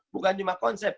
bukan cuma konsep